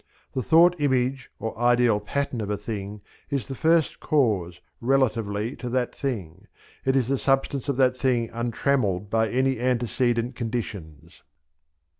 The thought image or ideal pattern of a thing is the first cause relatively to that thing; it is the substance of that thing untrammelled, by any antecedent conditions.